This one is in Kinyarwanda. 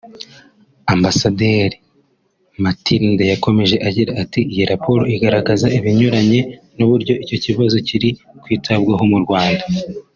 Ambasaderi Mathilde yakomeje agira ati “Iyi raporo igaragaza ibinyuranye n’uburyo icyo kibazo kiri kwitabwaho mu Rwanda